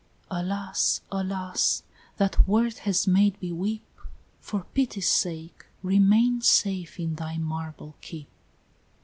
"Alas, alas! that word has made me weep! For pity's sake remain safe in thy marble keep!"